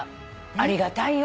ありがたいよ。